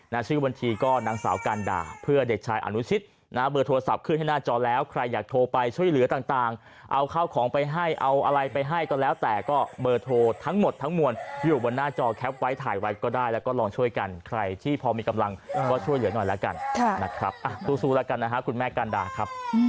ชื่อบัญชีก็นางสาวการดาเพื่อเด็กชายอนุชิตนะเบอร์โทรศัพท์ขึ้นให้หน้าจอแล้วใครอยากโทรไปช่วยเหลือต่างเอาข้าวของไปให้เอาอะไรไปให้ก็แล้วแต่ก็เบอร์โทรทั้งหมดทั้งมวลอยู่บนหน้าจอแคปไว้ถ่ายไว้ก็ได้แล้วก็ลองช่วยกันใครที่พอมีกำลังก็ช่วยเหลือหน่อยแล้วกันนะครับอ่ะสู้แล้วกันนะฮะคุณแม่กันดาครับ